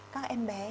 các em bé